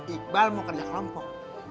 iqbal mau kerja kelompok